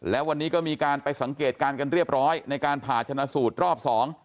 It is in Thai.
และวันนี้ก็มีการไปสังเกตการณ์กันเรียบร้อยในการผ่าชนะสูตรรอบสอง